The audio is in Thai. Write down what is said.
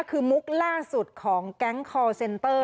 คือมุกล่าสุดของแก๊งคอร์เซนเตอร์